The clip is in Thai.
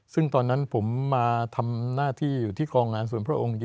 ซึ่งตอนนั้นผมมาทำหน้าที่อยู่ที่กองงานส่วนพระองค์